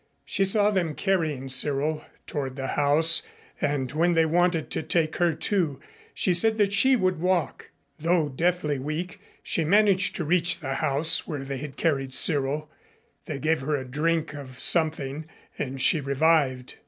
She saw them carrying Cyril toward the house, and when they wanted to take her, too, she said that she would walk. Though deathly weak, she managed to reach the house where they had carried Cyril. They gave her a drink of something and she revived.